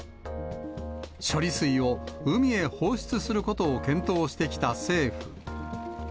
処理水を海へ放出することを検討してきた政府。